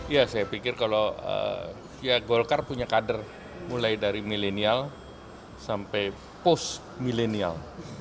ya saya pikir kalau golkar punya kader mulai dari milenial sampai post milenial